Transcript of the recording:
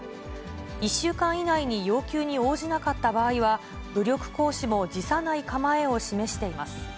１週間以内に要求に応じなかった場合は、武力行使も辞さない構えを示しています。